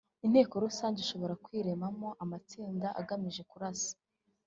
Inteko rusange ishobora kwiremamo amatsinda agamije kurasa